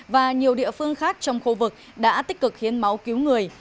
và nhiều địa phương khác trong khu vực đã tích cực hiến máu cứu người